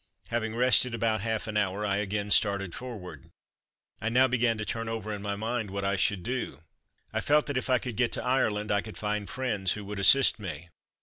Having rested about half an hour I again started forward. I now began to turn over in my mind what I should do. I felt that if I could get to Ireland I could find friends who would assist me.